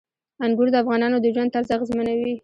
انګور د افغانانو د ژوند طرز اغېزمنوي.